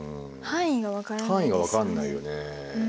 範囲が分かんないよね。